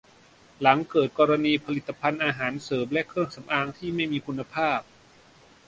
หลังจากเกิดกรณีผลิตภัณฑ์อาหารเสริมและเครื่องสำอางที่ไม่มีคุณภาพ